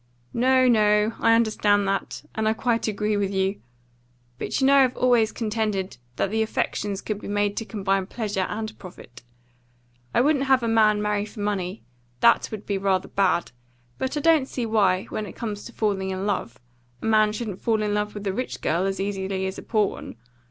"No, no. I understand that. And I quite agree with you. But you know I've always contended that the affections could be made to combine pleasure and profit. I wouldn't have a man marry for money, that would be rather bad, but I don't see why, when it comes to falling in love, a man shouldn't fall in love with a rich girl as easily as a poor one.